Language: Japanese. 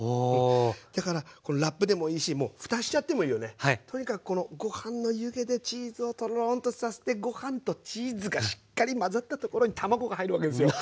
だからラップでもいいしもうふたしちゃってもいいよね。とにかくこのご飯の湯気でチーズをトロンとさせてご飯とチーズがしっかり混ざったところに卵が入るわけですよ！